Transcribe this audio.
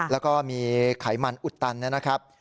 แล้วก็มีไขมันอุดตันนะครับ